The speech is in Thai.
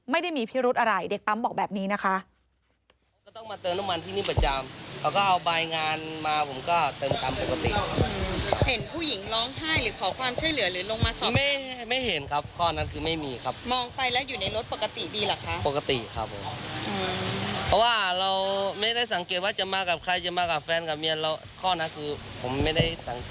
ไม่ได้มีพิรุธอะไรเด็กปั๊มบอกแบบนี้นะคะ